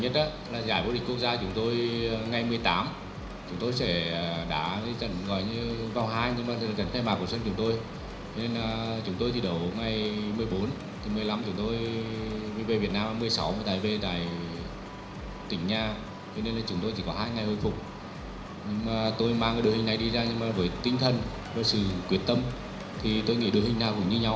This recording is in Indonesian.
tapi saya mengambil kepentingan dan kepentingan jadi saya pikir kedua tim ini sama